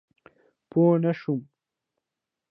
پوی نه شوم.